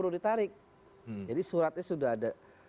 ditarik jadi suratnya sudah ada